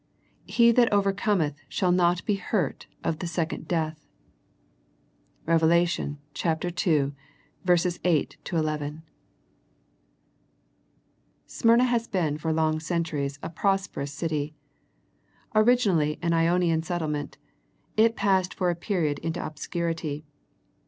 He that overcometh shall not be hurt of the second death." Rev. ii:8 ii. IV THE SMYRNA LETTER CMYRNA has been for long centuries a ^prosperous city. Originally an Ionian set tlement, it passed for a period into obscurity.